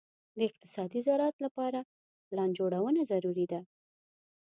د اقتصادي زراعت لپاره پلان جوړونه ضروري ده.